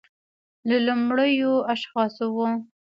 له لومړیو اشخاصو و